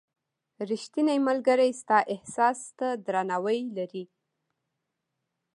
• ریښتینی ملګری ستا احساس ته درناوی لري.